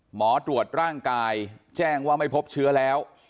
หมอตรวจร่างกายแจ้งว่าไม่พบเชื้อแล้ว